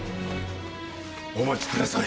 お待ちください。